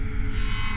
aku mau lihat